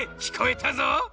きこえたぞ！